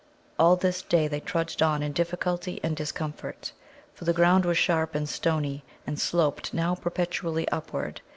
All this day they trudged on in difficulty and discomfort, for the ground was sharp and stony, and sloped now perpetually upward.